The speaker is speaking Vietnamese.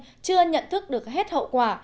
nhân dân chưa nhận thức được hết hậu quả